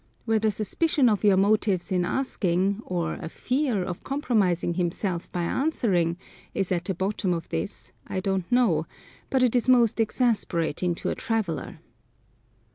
Whether suspicion of your motives in asking, or a fear of compromising himself by answering, is at the bottom of this I don't know, but it is most exasperating to a traveller.